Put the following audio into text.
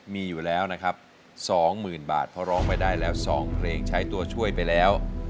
มีอยู่แล้วนะครับ๒๐๐๐บาทเพราะร้องไปได้แล้ว๒เพลงใช้ตัวช่วยไปแล้ว